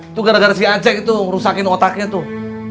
itu gara gara si acek itu ngerusakin otaknya tuh